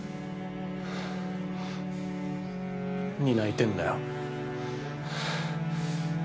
何泣いてんだよ。